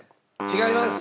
違います。